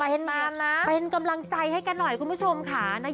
เห็นไหมเป็นกำลังใจให้กันหน่อยคุณผู้ชมค่ะ